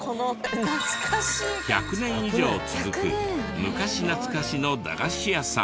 １００年以上続く昔なつかしの駄菓子屋さん。